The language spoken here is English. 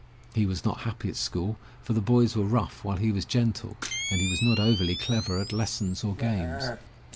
He was not happy at school, for the boys were rough while he was gentle, and he was not overly clever at lessons or games.